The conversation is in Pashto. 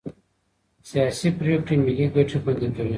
سیاسي پرېکړې ملي ګټې خوندي کوي